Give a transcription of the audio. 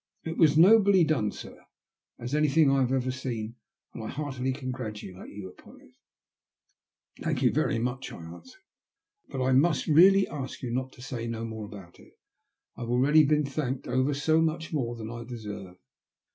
It was as nobly done, sir, as anything I have ever seen, and I heartily congratulate yoa • upon it." /" Thank you very much," I answered ;but I must really ask you to say no more about it. I have 'already been thanked ever so much more than I deserve."